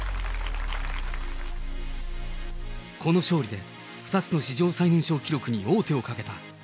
この勝利で、２つの史上最年少記録に王手をかけた。